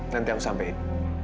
nanti aku sampein